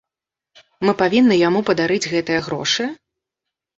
Мы павінны яму падарыць гэтыя грошы?